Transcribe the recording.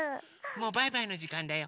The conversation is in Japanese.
もうバイバイのじかんだよ。